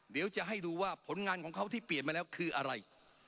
เดี๋ยวจะให้ดูว่าผลงานของเขาที่เปลี่ยนมาแล้วคืออะไร